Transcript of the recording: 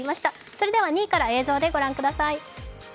それでは２位から映像でご覧ください。